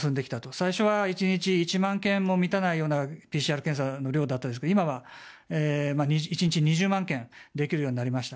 最初は１日１万件も満たないようなＰＣＲ検査の量だったんですが今は１日２０万件できるようになりました。